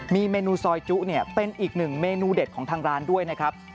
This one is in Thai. มีเมนูซอยจุเนี่ยเป็นอีกหนึ่งเมนูเด็ดของทางร้านด้วยนะครับ